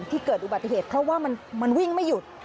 ที่เกิด๑๗๐เพราะว่ามันวิ่งไม่หยุด